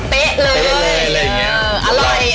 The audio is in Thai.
เป๊ะเลย